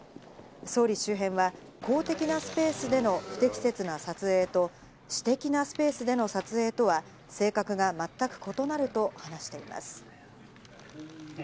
総理周辺は公的なスペースでの不適切な撮影と、私的なスペースでの撮影とは性格がまったく異なると話しています。